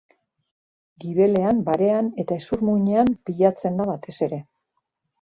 Gibelean, barean eta hezur-muinean pilatzen da batez ere.